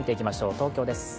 東京です。